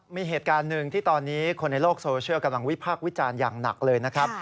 มีเหตุการณ์หนึ่งที่ตอนนี้คนในโลกโซเชียลกำลังวิพากษ์วิจารณ์อย่างหนักเลยนะครับ